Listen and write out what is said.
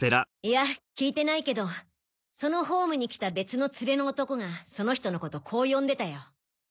いや聞いてないけどそのホームに来た別の連れの男がその人のことこう呼んでたよ。